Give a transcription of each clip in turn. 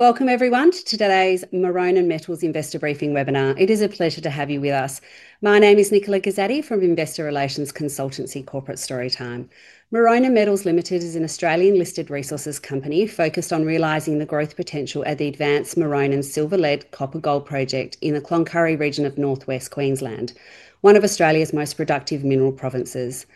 Welcome everyone to today's Maronan Metals Investor Briefing webinar. It is a pleasure to have you with us. My name is Nicola Ghisardi from Investor Relations Consultancy Corporate Storytime. Maronan Metals Limited is an Australian listed resources company focused on realizing the growth potential at the advanced Maronan Silver-Lead and Copper-Gold deposit in the Cloncurry region of Northwest Queensland, one of Australia's most productive mineral provinces.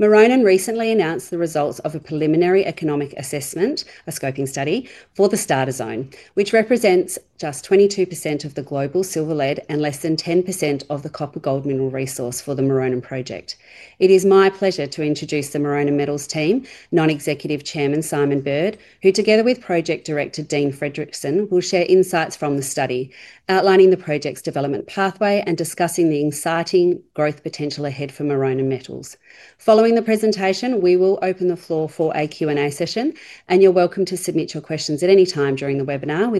Maronan recently announced the results of a preliminary economic assessment, a scoping study for the starter zone, which represents just 22% of the global silver-lead and less than 10% of the copper-gold mineral resource for the Maronan Project. It is my pleasure to introduce the Maronan Metals team, Non-Executive Chairman Simon Bird, who together with Project Director Dean Fredrickson will share insights from the study, outlining the project's development pathway and discussing the exciting growth potential ahead for Maronan Metals. Following the presentation, we will open the floor for a Q&A session, and you're welcome to submit your questions at any time during the webinar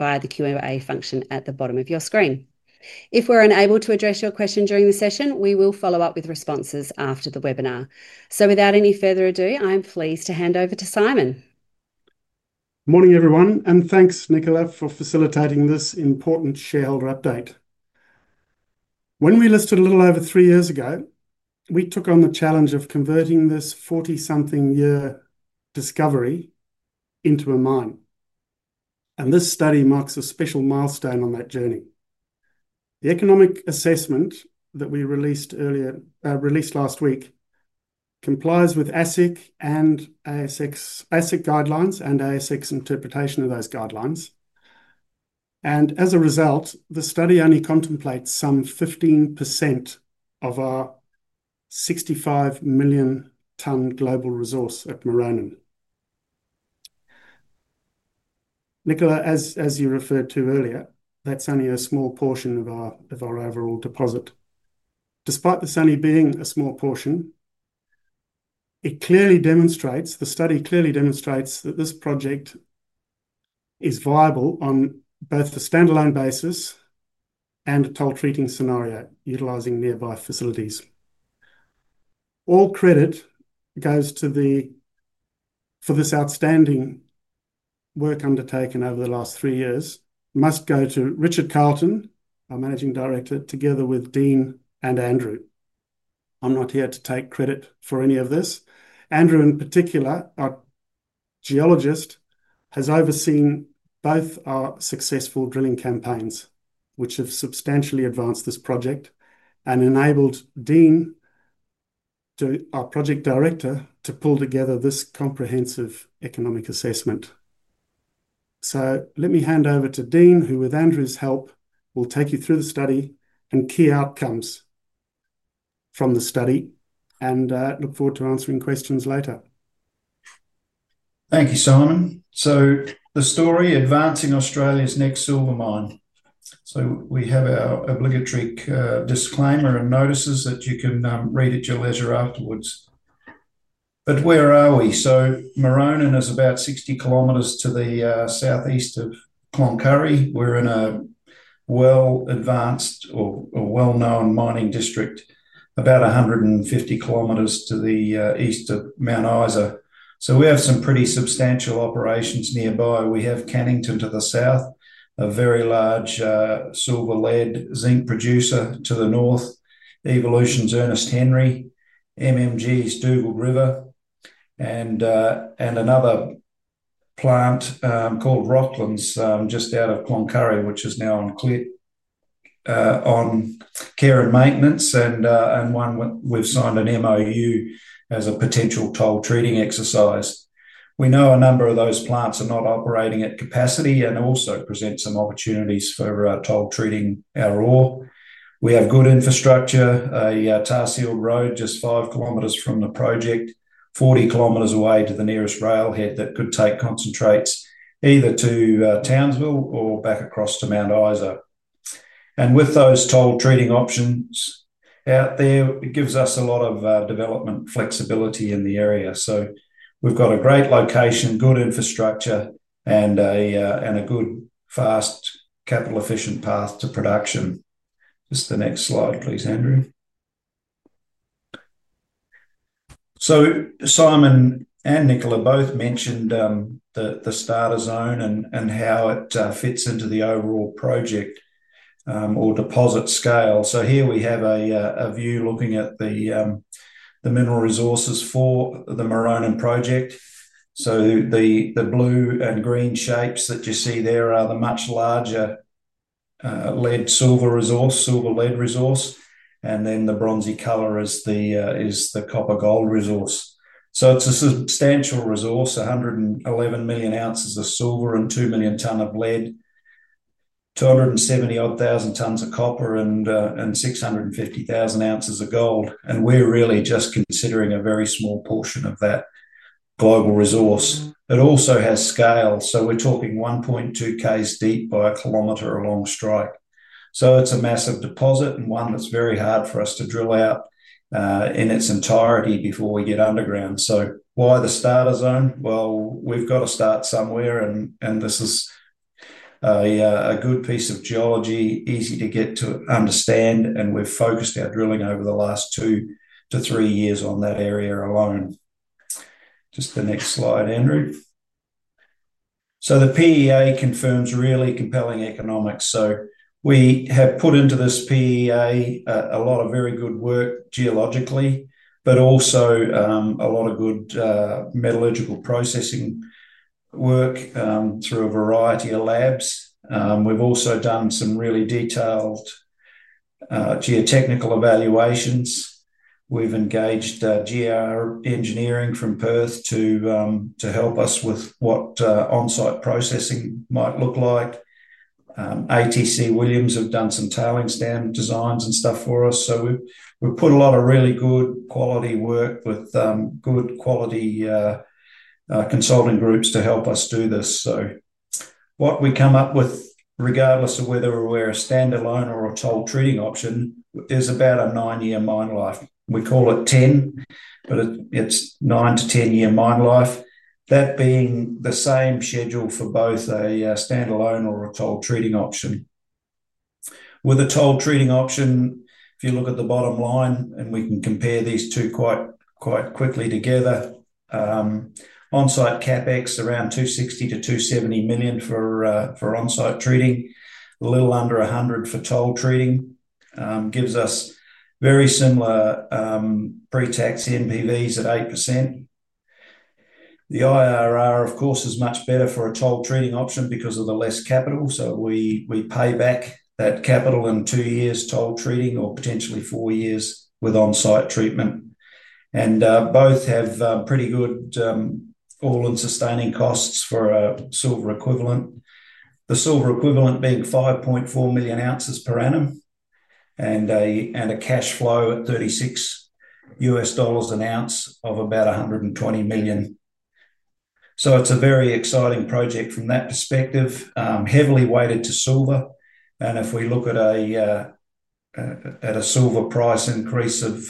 via the Q&A function at the bottom of your screen. If we're unable to address your question during the session, we will follow up with responses after the webinar. Without any further ado, I am pleased to hand over to Simon. Morning everyone, and thanks Nicola for facilitating this important shareholder update. When we listed a little over three years ago, we took on the challenge of converting this 40-something year discovery into a mine. This study marks a special milestone on that journey. The economic assessment that we released earlier, released last week, complies with ASIC and ASIC guidelines and ASIC's interpretation of those guidelines. As a result, the study only contemplates some 15% of our 65 million ton global resource at Maronan, and Nicola, as you referred to earlier, that's only a small portion of our overall deposit. Despite this only being a small portion, it clearly demonstrates, the study clearly demonstrates that this project is viable on both a standalone basis and a toll treating scenario utilizing nearby facilities. All credit for this outstanding work undertaken over the last three years must go to Richard Carlton, our Managing Director, together with Dean and Andrew. I'm not here to take credit for any of this. Andrew, in particular, our Geologist, has overseen both our successful drilling campaigns, which have substantially advanced this project and enabled Dean, our Project Director, to pull together this comprehensive economic assessment. Let me hand over to Dean, who with Andrew's help will take you through the study and key outcomes from the study, and I look forward to answering questions later. Thank you, Simon. The story advancing Australia's next silver mine. We have our obligatory disclaimer and notices that you can read at your leisure afterwards. Where are we? Maronan is about 60 kilometers to the southeast of Cloncurry. We're in a well-advanced or well-known mining district, about 150 kilometers to the east of Mount Isa. We have some pretty substantial operations nearby. We have Cannington to the south, a very large silver lead zinc producer, to the north Evolution's Ernest Henry, MMG's Dugald River, and another plant called Rocklands just out of Cloncurry, which is now on care and maintenance, and one we've signed an MOU as a potential toll treating exercise. We know a number of those plants are not operating at capacity and also present some opportunities for toll treating our ore. We have good infrastructure, a tar sealed road just five kilometers from the project, 40 kilometers away to the nearest railhead that could take concentrates either to Townsville or back across to Mount Isa. With those toll treating options out there, it gives us a lot of development flexibility in the area. We've got a great location, good infrastructure, and a good, fast, capital-efficient path to production. Next slide, please, Andrew. Simon and Nicola both mentioned the starter zone and how it fits into the overall project or deposit scale. Here we have a view looking at the mineral resources for the Maronan Project. The blue and green shapes that you see there are the much larger lead silver resource, silver lead resource, and then the bronzy color is the copper gold resource. It's a substantial resource, 111 million ounces of silver and 2 million tons of lead, 270,000 odd tons of copper, and 650,000 ounces of gold. We're really just considering a very small portion of that global resource. It also has scale. We're talking 1.2 kilometers deep by a kilometer along strike. It's a massive deposit and one that's very hard for us to drill out in its entirety before we get underground. The starter zone is a good piece of geology, easy to get to understand, and we've focused our drilling over the last two to three years on that area alone. Next slide, Andrew. The PEA confirms really compelling economics. We have put into this PEA a lot of very good work geologically, but also a lot of good metallurgical processing work through a variety of labs. We've also done some really detailed geotechnical evaluations. We've engaged GR Engineering from Perth to help us with what onsite processing might look like. ATC Williams have done some tailings dam designs and stuff for us. We have put a lot of really good quality work with good quality consulting groups to help us do this. What we come up with, regardless of whether we're a standalone or a toll treating option, is about a nine-year mine life. We call it 10, but it's nine to 10-year mine life. That is the same schedule for both a standalone or a toll treating option. With a toll treating option, if you look at the bottom line, and we can compare these two quite quickly together, onsite CapEx is around $260 to $270 million for onsite treating, a little under $100 million for toll treating, which gives us very similar pre-tax NPVs at 8%. The IRR, of course, is much better for a toll treating option because of the less capital. We pay back that capital in two years toll treating or potentially four years with onsite treatment. Both have pretty good all-in sustaining costs for a silver equivalent. The silver equivalent being 5.4 million ounces per annum and a cash flow at $36 per ounce of about $120 million. It is a very exciting project from that perspective, heavily weighted to silver. If we look at a silver price increase of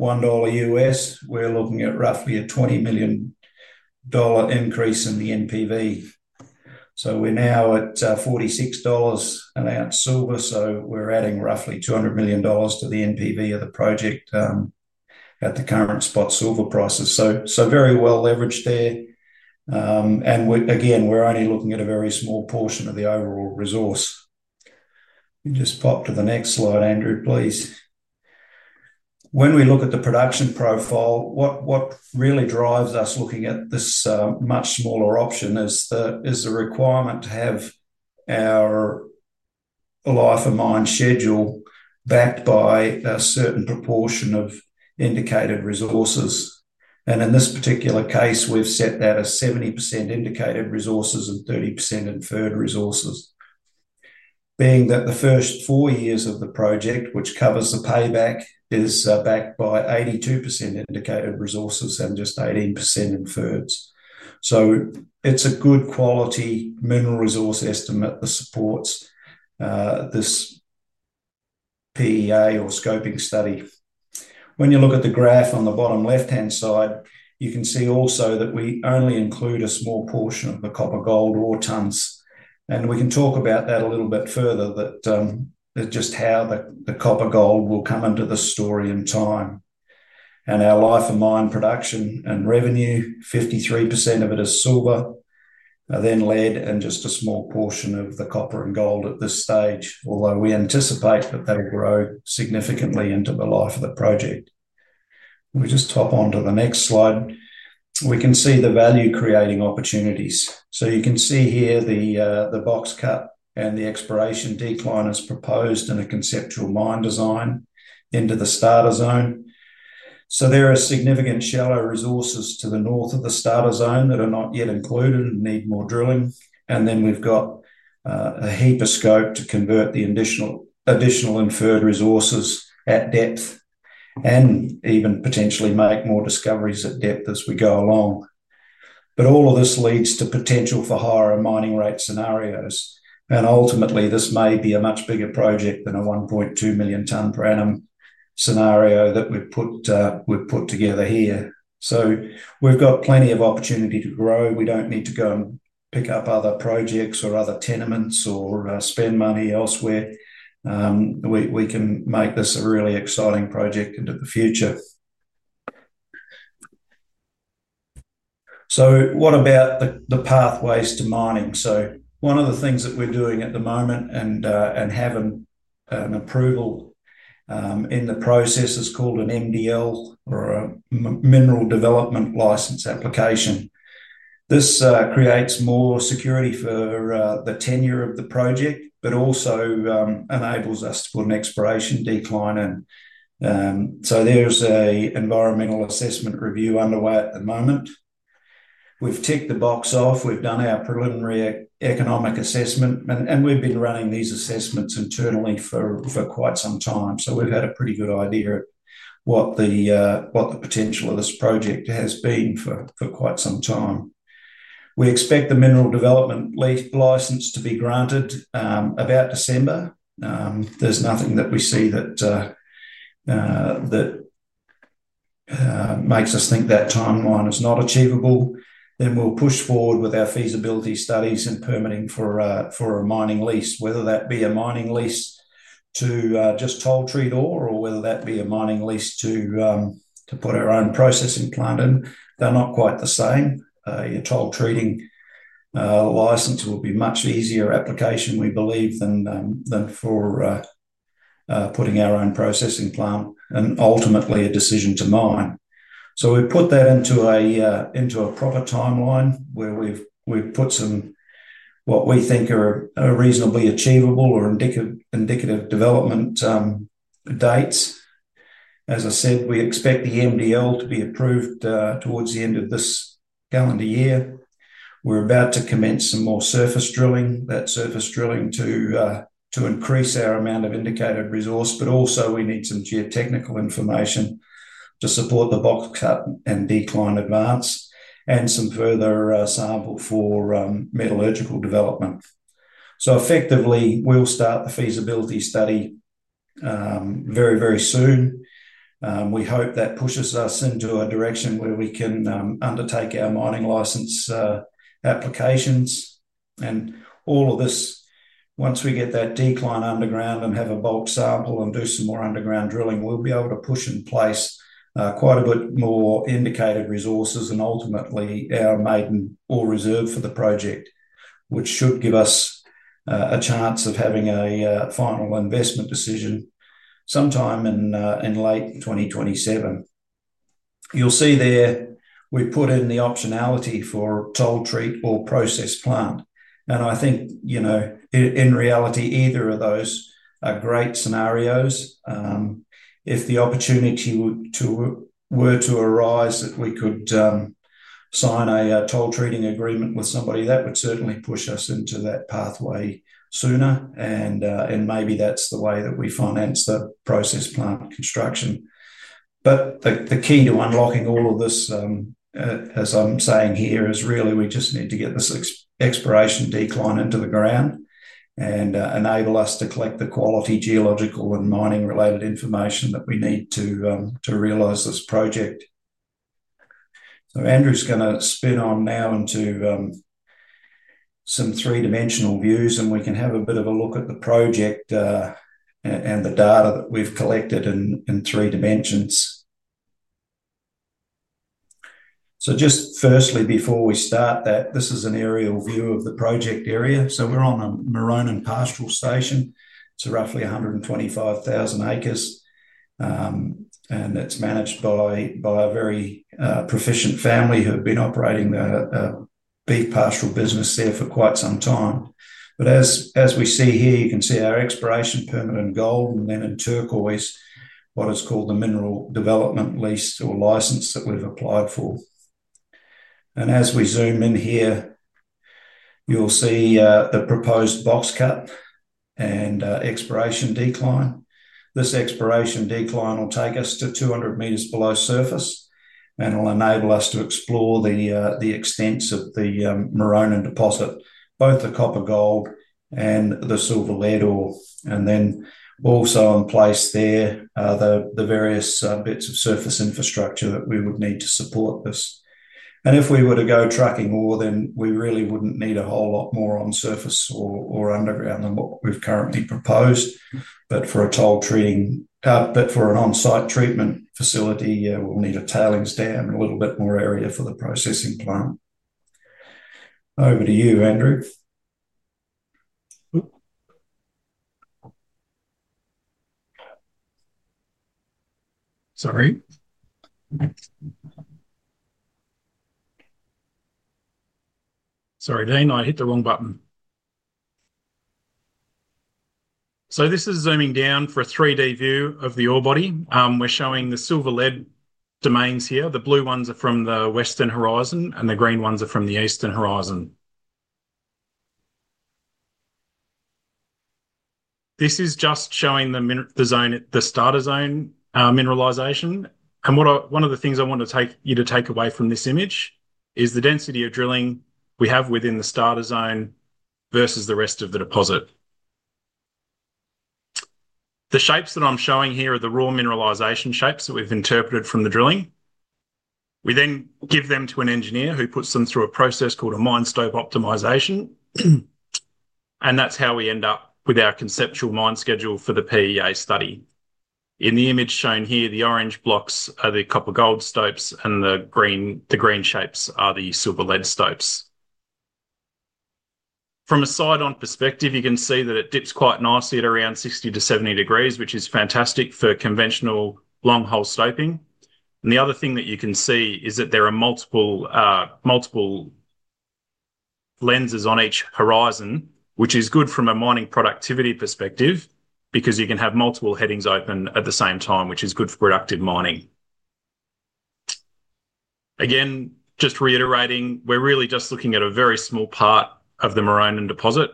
$1, we're looking at roughly a $20 million increase in the NPV. We are now at $46 per ounce silver, so we're adding roughly $200 million to the NPV of the project at the current spot silver prices. It is very well leveraged there. We are only looking at a very small portion of the overall resource. You just pop to the next slide, Andrew, please. When we look at the production profile, what really drives us looking at this much smaller option is the requirement to have a life of mine schedule backed by a certain proportion of indicated resources. In this particular case, we've set that as 70% indicated resources and 30% inferred resources. The first four years of the project, which covers the payback, is backed by 82% indicated resources and just 18% inferred. It is a good quality mineral resource estimate that supports this PEA or scoping study. When you look at the graph on the bottom left-hand side, you can see also that we only include a small portion of the copper-gold ore tons. We can talk about that a little bit further, just how the copper-gold will come into the story in time. Our life of mine production and revenue, 53% of it is silver, then lead, and just a small portion of the copper and gold at this stage, although we anticipate that that'll grow significantly into the life of the project. If we just hop on to the next slide, we can see the value-creating opportunities. You can see here the box cut and the exploration decline is proposed in a conceptual mine design into the starter zone. There are significant shallow resources to the north of the starter zone that are not yet included and need more drilling. We've got a heap of scope to convert the additional inferred resources at depth and even potentially make more discoveries at depth as we go along. All of this leads to potential for higher mining rate scenarios. Ultimately, this may be a much bigger project than a 1.2 million ton per annum scenario that we've put together here. We've got plenty of opportunity to grow. We don't need to go and pick up other projects or other tenements or spend money elsewhere. We can make this a really exciting project into the future. What about the pathways to mining? One of the things that we're doing at the moment and having an approval in the process is called an MDL or a Mineral Development License application. This creates more security for the tenure of the project, but also enables us to put an exploration decline. There's an environmental assessment review underway at the moment. We've ticked the box off. We've done our preliminary economic assessment. We've been running these assessments internally for quite some time. We've had a pretty good idea of what the potential of this project has been for quite some time. We expect the Mineral Development License to be granted about December. There's nothing that we see that makes us think that timeline is not achievable. We'll push forward with our feasibility studies and permitting for a mining lease, whether that be a mining lease to just toll treat ore, or whether that be a mining lease to put our own processing plant in. They're not quite the same. Your toll treating license will be a much easier application, we believe, than for putting our own processing plant and ultimately a decision to mine. We've put that into a proper timeline where we've put some what we think are reasonably achievable or indicative development dates. As I said, we expect the MDL to be approved towards the end of this calendar year. We're about to commence some more surface drilling, that surface drilling to increase our amount of indicated resource, but also we need some geotechnical information to support the box cut and decline advance and some further sample for metallurgical development. Effectively, we'll start the feasibility study very, very soon. We hope that pushes us into a direction where we can undertake our mining license applications. All of this, once we get that decline underground and have a bulk sample and do some more underground drilling, we'll be able to push in place quite a bit more indicated resources and ultimately our maiden ore reserve for the project, which should give us a chance of having a final investment decision sometime in late 2027. You'll see there, we put in the optionality for toll treat or process plant. I think, you know, in reality, either of those are great scenarios. If the opportunity were to arise that we could sign a toll treating agreement with somebody, that would certainly push us into that pathway sooner. Maybe that's the way that we finance the process plant construction. The key to unlocking all of this, as I'm saying here, is really we just need to get this exploration decline into the ground and enable us to collect the quality geological and mining-related information that we need to realize this project. Andrew's going to spin on now into some three-dimensional views, and we can have a bit of a look at the project and the data that we've collected in three dimensions. Just firstly, before we start that, this is an aerial view of the project area. We're on a Maronan pastoral station to roughly 125,000 acres. It's managed by a very proficient family who have been operating a beef pastoral business there for quite some time. As we see here, you can see our exploration permit in gold and then in turquoise, what is called the mineral development license that we've applied for. As we zoom in here, you'll see the proposed box cut and exploration decline. This exploration decline will take us to 200 meters below surface and will enable us to explore the extents of the Maronan deposit, both the copper-gold and the silver-lead ore. In place there are the various bits of surface infrastructure that we would need to support this. If we were to go trucking ore, we really wouldn't need a whole lot more on surface or underground than what we've currently proposed. For toll treating, for an onsite treatment facility, we'll need a tailings dam and a little bit more area for the processing plant. Over to you, Andrew. Sorry, Dean, I hit the wrong button. This is zooming down for a 3D view of the ore body. We're showing the silver-lead domains here. The blue ones are from the western horizon, and the green ones are from the eastern horizon. This is just showing the zone at the starter zone mineralization. One of the things I want you to take away from this image is the density of drilling we have within the starter zone versus the rest of the deposit. The shapes that I'm showing here are the raw mineralization shapes that we've interpreted from the drilling. We then give them to an engineer who puts them through a process called a mine stope optimization. That's how we end up with our conceptual mine schedule for the PEA study. In the image shown here, the orange blocks are the copper-gold stopes, and the green shapes are the silver-lead stopes. From a side-on perspective, you can see that it dips quite nicely at around 60 to 70 degrees, which is fantastic for conventional long-hole stoping. The other thing that you can see is that there are multiple lenses on each horizon, which is good from a mining productivity perspective because you can have multiple headings open at the same time, which is good for productive mining. Again, just reiterating, we're really just looking at a very small part of the Maronan deposit,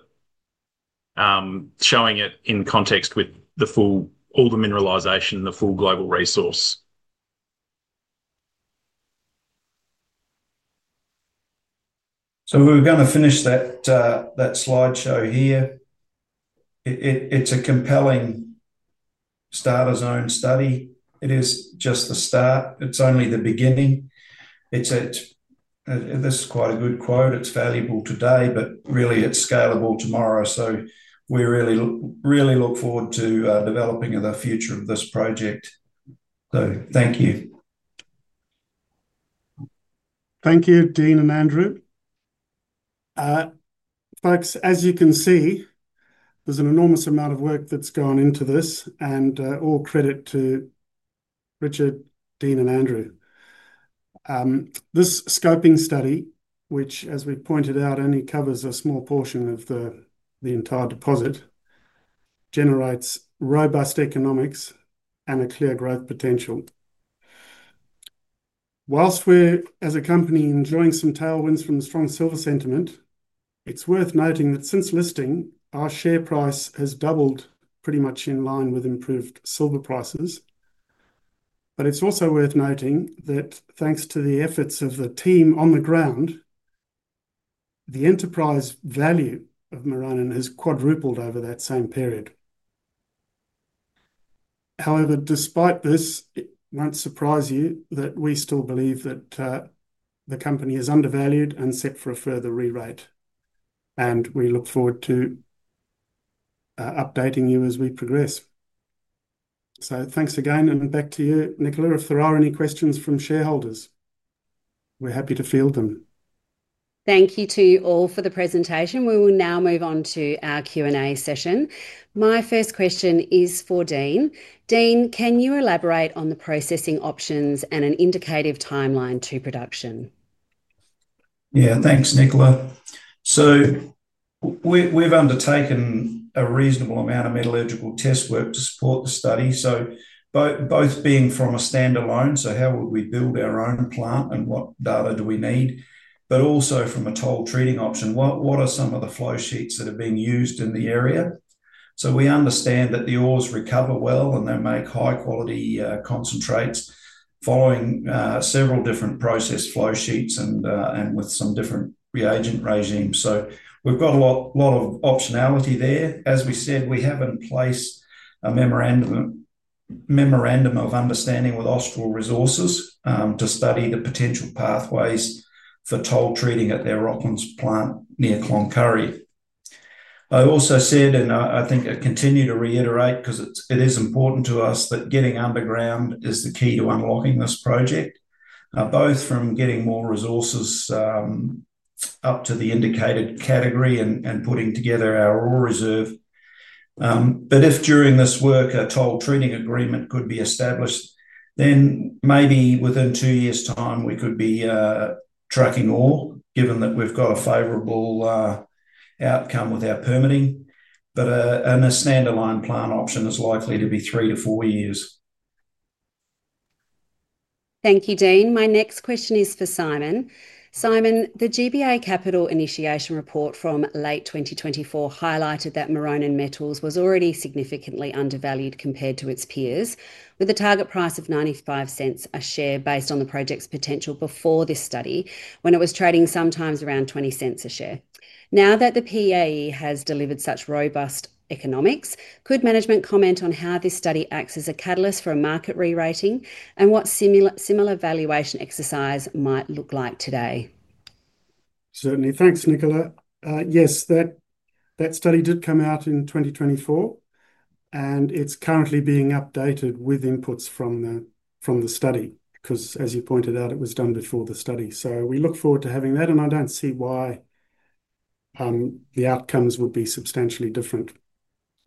showing it in context with all the mineralization and the full global resource. We are going to finish that slideshow here. It's a compelling starter zone study. It is just the start. It's only the beginning. This is quite a good quote, it's valuable today, but really it's scalable tomorrow. We really, really look forward to developing the future of this project. Thank you. Thank you, Dean and Andrew. Folks, as you can see, there's an enormous amount of work that's gone into this, and all credit to Richard, Dean, and Andrew. This scoping study, which as we pointed out, only covers a small portion of the entire deposit, generates robust economics and a clear growth potential. Whilst we're as a company enjoying some tailwinds from the strong silver sentiment, it's worth noting that since listing, our share price has doubled pretty much in line with improved silver prices. It's also worth noting that thanks to the efforts of the team on the ground, the enterprise value of Maronan has quadrupled over that same period. However, despite this, it won't surprise you that we still believe that the company is undervalued and set for a further re-rate. We look forward to updating you as we progress. Thanks again, and back to you, Nicola, if there are any questions from shareholders, we're happy to field them. Thank you to all for the presentation. We will now move on to our Q&A session. My first question is for Dean. Dean, can you elaborate on the processing options and an indicative timeline to production? Yeah, thanks, Nicola. We've undertaken a reasonable amount of metallurgical test work to support the study, both from a standalone—how would we build our own plant and what data do we need—and also from a toll treating option, looking at some of the flow sheets that have been used in the area. We understand that the ores recover well and they make high-quality concentrates following several different process flow sheets and with some different reagent regimes. We've got a lot of optionality there. As we said, we have in place a memorandum of understanding with Oscal Resources to study the potential pathways for toll treating at their Rocklands plant near Cloncurry. I also said, and I think I continue to reiterate because it is important to us, that getting underground is the key to unlocking this project, both for getting more resources up to the indicated category and putting together our ore reserve. If during this work a toll treating agreement could be established, then maybe within two years' time, we could be trucking ore, given that we've got a favorable outcome with our permitting. A standalone plant option is likely to be three to four years. Thank you, Dean. My next question is for Simon. Simon, the GBA Capital Initiation Report from late 2024 highlighted that Maronan Metals was already significantly undervalued compared to its peers, with a target price of $0.95 a share based on the project's potential before this study, when it was trading sometimes around $0.20 a share. Now that the PEA has delivered such robust economics, could management comment on how this study acts as a catalyst for a market re-rating and what similar valuation exercise might look like today? Certainly, thanks, Nicola. Yes, that study did come out in 2024, and it's currently being updated with inputs from the study, because as you pointed out, it was done before the study. We look forward to having that, and I don't see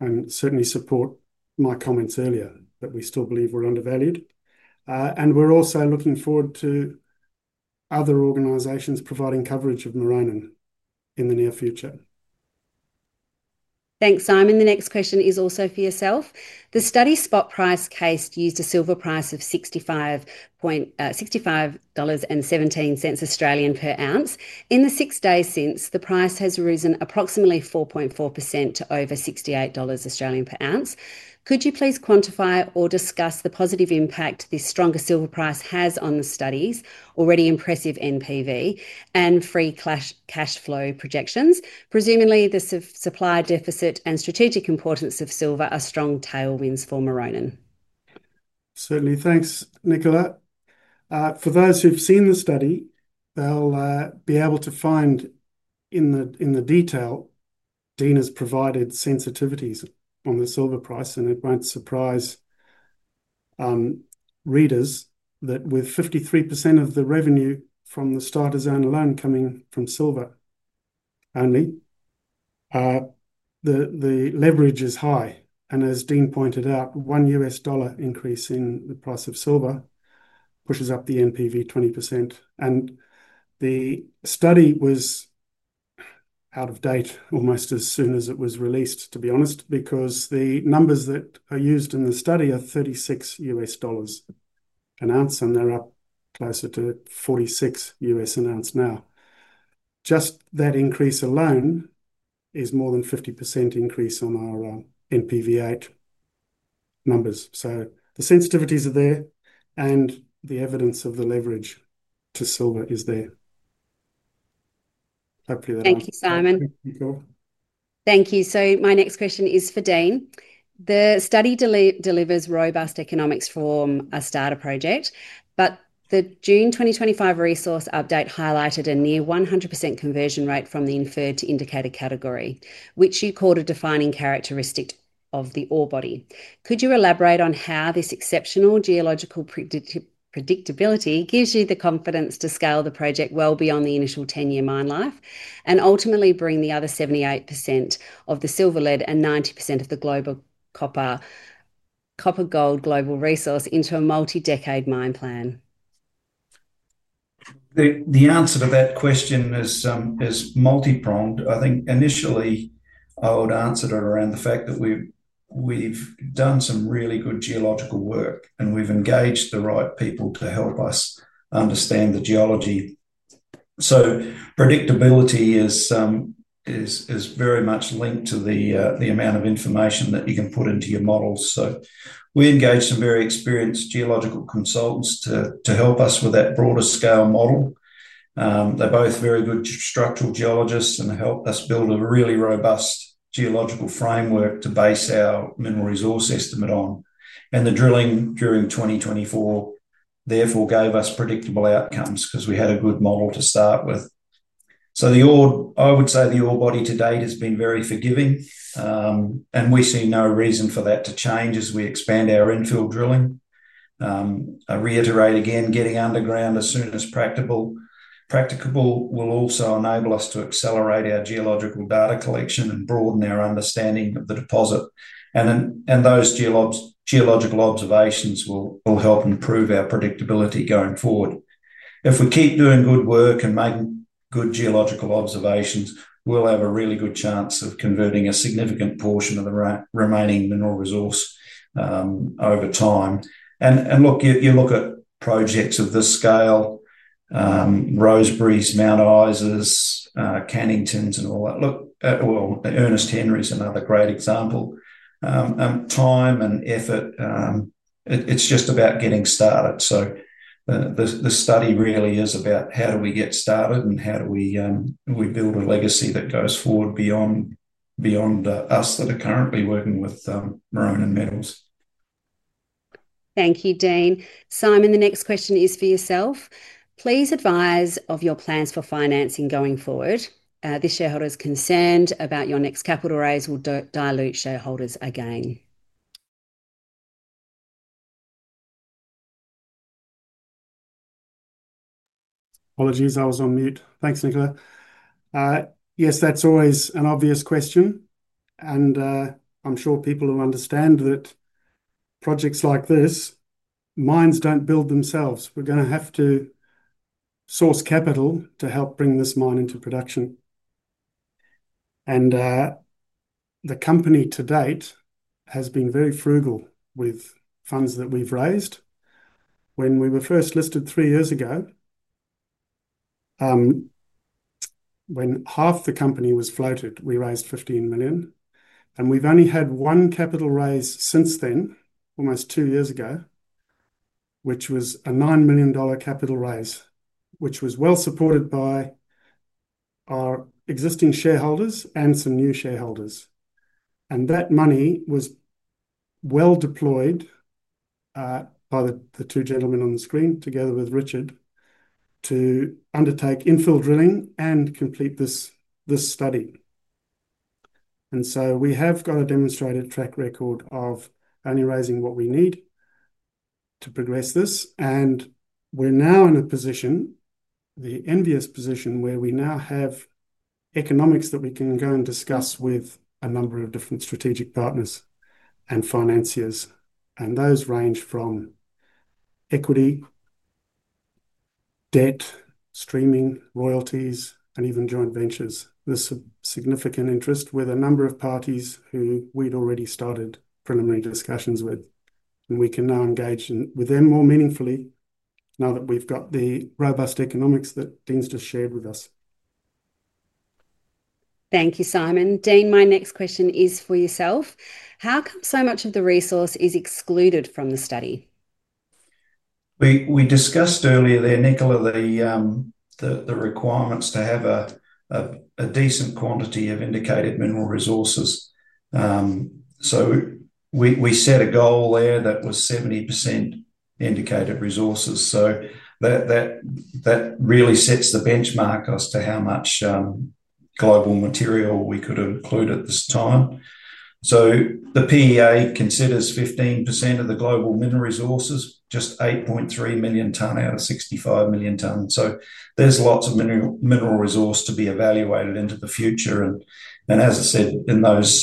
why the outcomes would be substantially different. Certainly support my comments earlier, that we still believe we're undervalued. We're also looking forward to other organizations providing coverage of Maronan in the near future. Thanks, Simon. The next question is also for yourself. The study spot price case used a silver price of $65.17 Australian per ounce. In the six days since, the price has risen approximately 4.4% to over $68 Australian per ounce. Could you please quantify or discuss the positive impact this stronger silver price has on the study's already impressive NPV and free cash flow projections? Presumably, the supply deficit and strategic importance of silver are strong tailwinds for Maronan Metals. Certainly, thanks, Nicola. For those who've seen the study, they'll be able to find in the detail Dean has provided sensitivities on the silver price, and it won't surprise readers that with 53% of the revenue from the starter zone alone coming from silver only, the leverage is high. As Dean pointed out, one U.S. dollar increase in the price of silver pushes up the NPV 20%. The study was out of date almost as soon as it was released, to be honest, because the numbers that are used in the study are $36 U.S. an ounce, and they're up closer to $46 U.S. an ounce now. Just that increase alone is more than a 50% increase on our NPV8 numbers. The sensitivities are there, and the evidence of the leverage to silver is there. Thank you, Simon. Thank you. My next question is for Dean. The study delivers robust economics for a starter project, but the June 2025 resource update highlighted a near 100% conversion rate from the inferred to indicated category, which you called a defining characteristic of the ore body. Could you elaborate on how this exceptional geological predictability gives you the confidence to scale the project well beyond the initial 10-year mine life and ultimately bring the other 78% of the silver-lead and 90% of the global copper-gold global resource into a multi-decade mine plan? The answer to that question is multi-pronged. I think initially I would answer it around the fact that we've done some really good geological work and we've engaged the right people to help us understand the geology. Predictability is very much linked to the amount of information that you can put into your models. We engaged some very experienced geological consultants to help us with that broader scale model. They're both very good structural geologists and helped us build a really robust geological framework to base our mineral resource estimate on. The drilling during 2024 therefore gave us predictable outcomes because we had a good model to start with. I would say the ore body to date has been very forgiving, and we see no reason for that to change as we expand our infill drilling. I reiterate again, getting underground as soon as practicable will also enable us to accelerate our geological data collection and broaden our understanding of the deposit. Those geological observations will help improve our predictability going forward. If we keep doing good work and making good geological observations, we'll have a really good chance of converting a significant portion of the remaining mineral resource over time. You look at projects of this scale: Rosebery, Mount Isa, Cannington, and all that. Ernest Henry's another great example. Time and effort, it's just about getting started. The study really is about how do we get started and how do we build a legacy that goes forward beyond us that are currently working with Maronan Metals. Thank you, Dean. Simon, the next question is for yourself. Please advise of your plans for financing going forward. Are the shareholders concerned about your next capital raise will dilute shareholders again? Apologies, I was on mute. Thanks, Nicola. Yes, that's always an obvious question. I'm sure people who understand that projects like this, mines don't build themselves. We're going to have to source capital to help bring this mine into production. The company to date has been very frugal with funds that we've raised. When we were first listed three years ago, when half the company was floated, we raised $15 million. We've only had one capital raise since then, almost two years ago, which was a $9 million capital raise, which was well supported by our existing shareholders and some new shareholders. That money was well deployed by the two gentlemen on the screen, together with Richard, to undertake infill drilling and complete this study. We have got a demonstrated track record of only raising what we need to progress this. We're now in a position, the envious position, where we now have economics that we can go and discuss with a number of different strategic partners and financiers. Those range from equity, debt, streaming, royalties, and even joint ventures. There is significant interest with a number of parties who we'd already started preliminary discussions with. We can now engage with them more meaningfully now that we've got the robust economics that Dean's just shared with us. Thank you, Simon. Dean, my next question is for yourself. How come so much of the resource is excluded from the study? We discussed earlier there, Nicola, the requirements to have a decent quantity of indicated mineral resources. We set a goal there that was 70% indicated resources. That really sets the benchmark as to how much global material we could include at this time. The PEA considers 15% of the global mineral resources, just 8.3 million ton out of 65 million ton. There's lots of mineral resource to be evaluated into the future. As I said, in those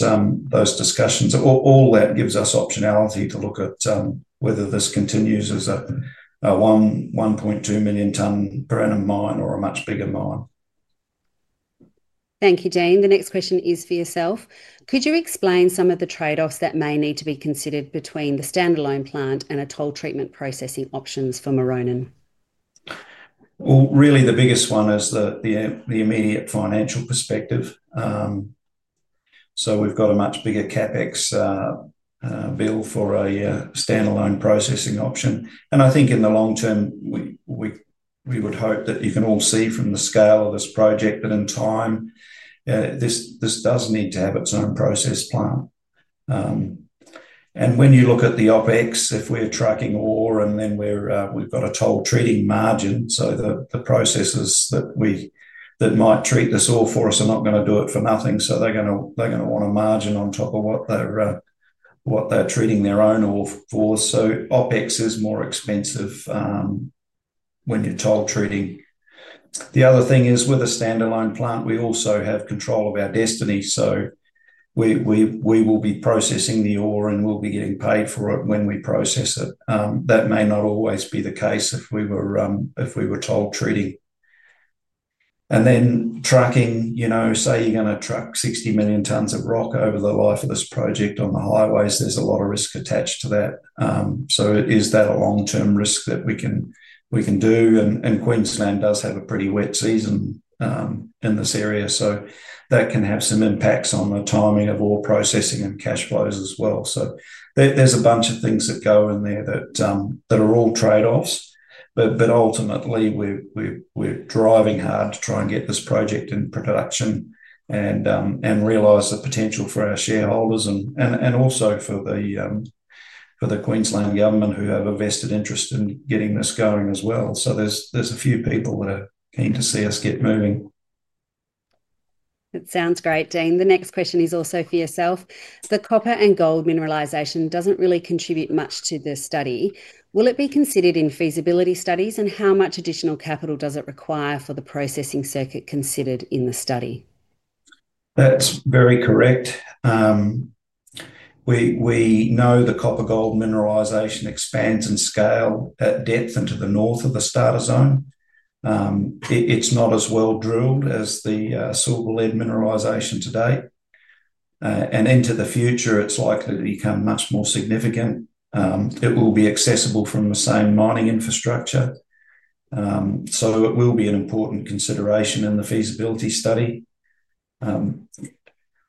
discussions, all that gives us optionality to look at whether this continues as a 1.2 million ton per annum mine or a much bigger mine. Thank you, Dean. The next question is for yourself. Could you explain some of the trade-offs that may need to be considered between the standalone plant and a toll treatment processing options for Maronan? The biggest one is the immediate financial perspective. We've got a much bigger CapEx bill for a standalone processing option. In the long term, we would hope that you can all see from the scale of this project that in time, this does need to have its own process plant. When you look at the OpEx, if we're trucking ore, and then we've got a toll treating margin, the processes that might treat this ore for us are not going to do it for nothing. They're going to want a margin on top of what they're treating their own ore for. OpEx is more expensive when you're toll treating. The other thing is with a standalone plant, we also have control of our destiny. We will be processing the ore, and we'll be getting paid for it when we process it. That may not always be the case if we were toll treating. Trucking, you know, say you're going to truck 60 million tons of rock over the life of this project on the highways, there's a lot of risk attached to that. Is that a long-term risk that we can do? Queensland does have a pretty wet season in this area. That can have some impacts on the timing of ore processing and cash flows as well. There are a bunch of things that go in there that are all trade-offs. Ultimately, we're driving hard to try and get this project into production and realize the potential for our shareholders and also for the Queensland government who have a vested interest in getting this going as well. There are a few people that are keen to see us get moving. That sounds great, Dean. The next question is also for yourself. The copper and gold mineralization doesn't really contribute much to this study. Will it be considered in feasibility studies, and how much additional capital does it require for the processing circuit considered in the study? That's very correct. We know the copper-gold mineralization expands in scale at depth into the north of the starter zone. It's not as well drilled as the silver-lead mineralization to date. Into the future, it's likely to become much more significant. It will be accessible from the same mining infrastructure, so it will be an important consideration in the feasibility study.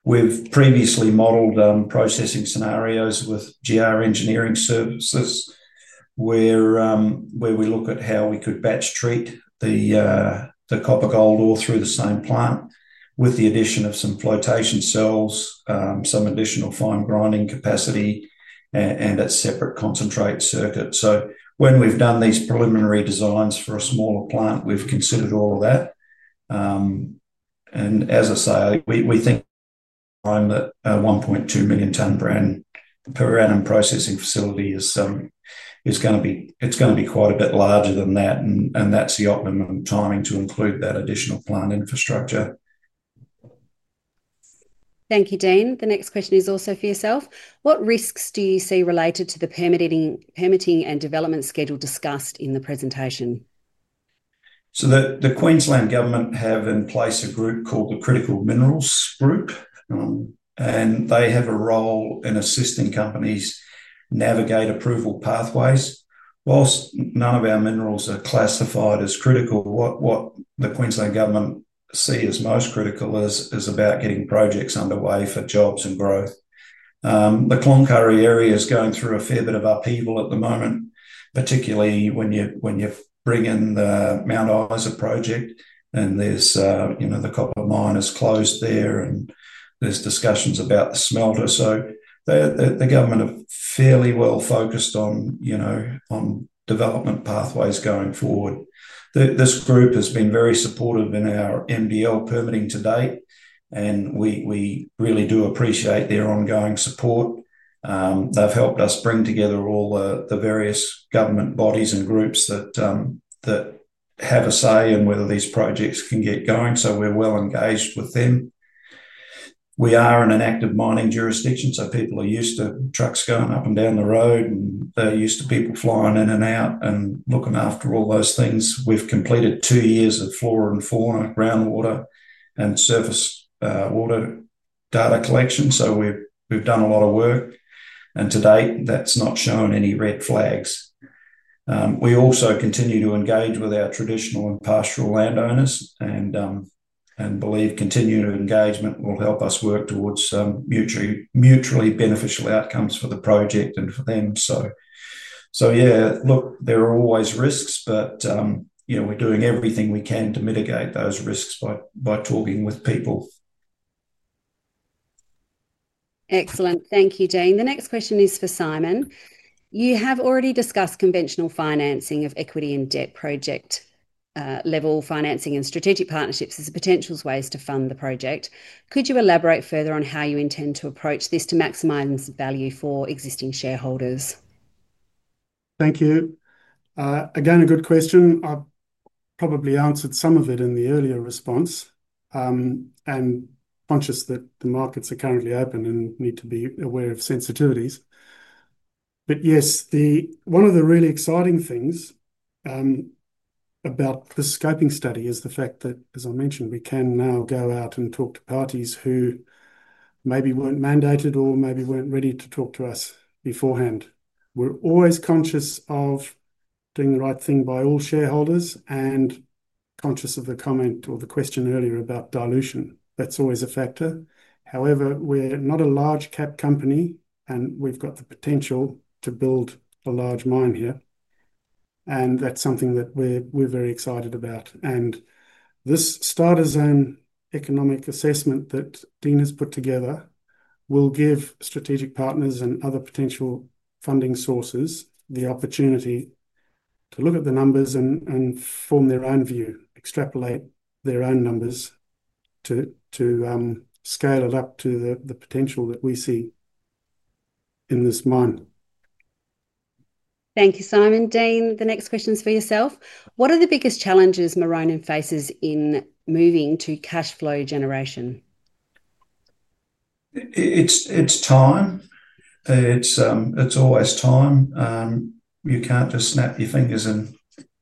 We've previously modeled processing scenarios with GR Engineering Services, where we look at how we could batch treat the copper-gold ore through the same plant with the addition of some flotation cells, some additional fine grinding capacity, and a separate concentrate circuit. When we've done these preliminary designs for a smaller plant, we've considered all of that. We think the time that a $1.2 million ton per annum processing facility is going to be, it's going to be quite a bit larger than that, and that's the optimum timing to include that additional plant infrastructure. Thank you, Dean. The next question is also for yourself. What risks do you see related to the permitting and development schedule discussed in the presentation? The Queensland government has in place a group called the Critical Minerals Group, and they have a role in assisting companies navigate approval pathways. Whilst none of our minerals are classified as critical, what the Queensland government sees as most critical is about getting projects underway for jobs and growth. The Cloncurry area is going through a fair bit of upheaval at the moment, particularly when you bring in the Mount Isa project. There's the copper mine closed there, and there's discussions about the smelter. The government are fairly well focused on development pathways going forward. This group has been very supportive in our MDL permitting to date, and we really do appreciate their ongoing support. They've helped us bring together all the various government bodies and groups that have a say in whether these projects can get going. We're well engaged with them. We are in an active mining jurisdiction, so people are used to trucks going up and down the road, and they're used to people flying in and out and looking after all those things. We've completed two years of floor and foreign groundwater and surface water data collection. We've done a lot of work, and to date, that's not shown any red flags. We also continue to engage with our traditional and pastoral landowners and believe continued engagement will help us work towards mutually beneficial outcomes for the project and for them. There are always risks, but we're doing everything we can to mitigate those risks by talking with people. Excellent. Thank you, Dean. The next question is for Simon. You have already discussed conventional financing of equity and debt, project-level financing, and strategic partnerships as potential ways to fund the project. Could you elaborate further on how you intend to approach this to maximize its value for existing shareholders? Thank you. Again, a good question. I probably answered some of it in the earlier response. I'm conscious that the markets are currently open and need to be aware of sensitivities. Yes, one of the really exciting things about the scoping study is the fact that, as I mentioned, we can now go out and talk to parties who maybe weren't mandated or maybe weren't ready to talk to us beforehand. We're always conscious of doing the right thing by all shareholders and conscious of the comment or the question earlier about dilution. That's always a factor. However, we're not a large-cap company, and we've got the potential to build a large mine here. That is something that we're very excited about. This starter zone economic assessment that Dean has put together will give strategic partners and other potential funding sources the opportunity to look at the numbers and form their own view, extrapolate their own numbers to scale it up to the potential that we see in this mine. Thank you, Simon. Dean, the next question is for yourself. What are the biggest challenges Maronan faces in moving to cash flow generation? It's time. It's always time. You can't just snap your fingers in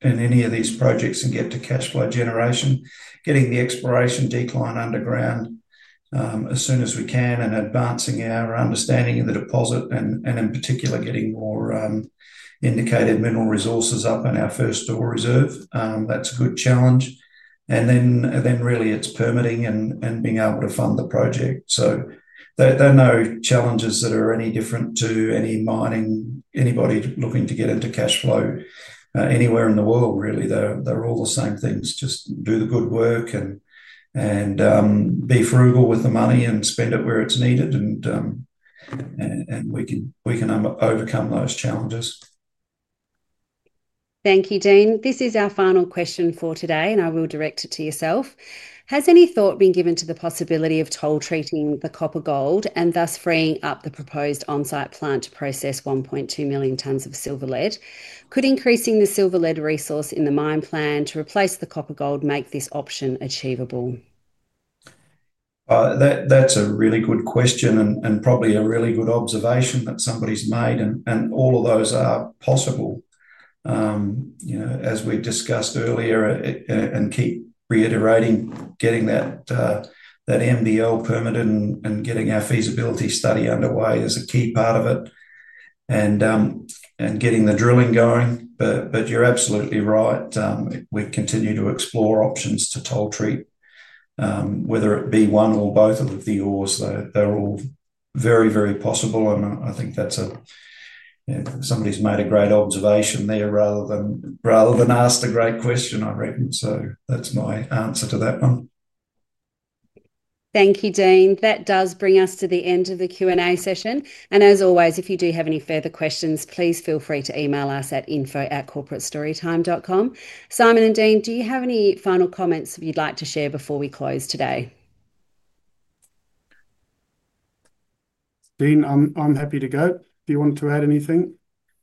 any of these projects and get to cash flow generation. Getting the exploration decline underground as soon as we can and advancing our understanding of the deposit, and in particular getting more indicated mineral resources up in our first door reserve, that's a good challenge. Really, it's permitting and being able to fund the project. There are no challenges that are any different to any mining, anybody looking to get into cash flow anywhere in the world, really. They're all the same things. Just do the good work and be frugal with the money and spend it where it's needed. We can overcome those challenges. Thank you, Dean. This is our final question for today, and I will direct it to yourself. Has any thought been given to the possibility of toll treating the copper-gold and thus freeing up the proposed onsite plant to process 1.2 million tons of silver-lead? Could increasing the silver-lead resource in the mine plan to replace the copper-gold make this option achievable? That's a really good question and probably a really good observation that somebody's made, and all of those are possible. As we discussed earlier and keep reiterating, getting that MDL permitted and getting our feasibility study underway is a key part of it and getting the drilling going. You're absolutely right. We continue to explore options to toll treat, whether it be one or both of the viewers, though they're all very, very possible. I think that's somebody's made a great observation there rather than asked a great question, I reckon. That's my answer to that one. Thank you, Dean. That does bring us to the end of the Q&A session. As always, if you do have any further questions, please feel free to email us at info@corporatestorytime.com. Simon and Dean, do you have any final comments you'd like to share before we close today? Dean, I'm happy to go. Do you want to add anything?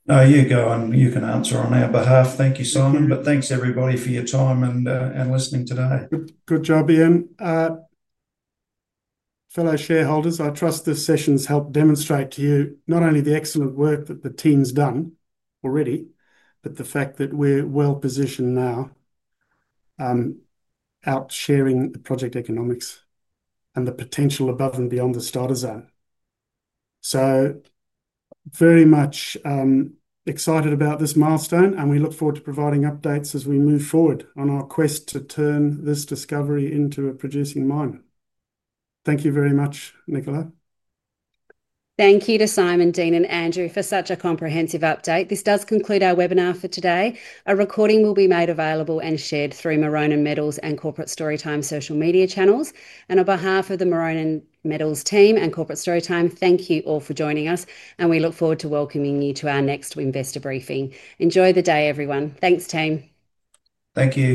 Yeah, go on. You can answer on our behalf. Thank you, Simon. Thank you, everybody, for your time and listening today. Good job, Ian. Fellow shareholders, I trust this session has helped demonstrate to you not only the excellent work that the team's done already, but the fact that we're well positioned now, out sharing the project economics and the potential above and beyond the starter zone. I am very much excited about this milestone, and we look forward to providing updates as we move forward on our quest to turn this discovery into a producing mine. Thank you very much, Nicola. Thank you to Simon, Dean, and Andrew for such a comprehensive update. This does conclude our webinar for today. A recording will be made available and shared through Maronan Metals and Corporate Storytime social media channels. On behalf of the Maronan Metals team and Corporate Storytime, thank you all for joining us, and we look forward to welcoming you to our next investor briefing. Enjoy the day, everyone. Thanks, team. Thank you.